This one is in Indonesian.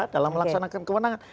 dalam melaksanakan kemenangan